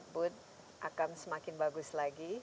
booth akan semakin bagus lagi